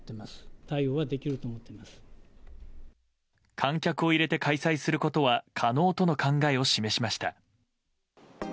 観客を入れて開催することは可能との考えを示しました。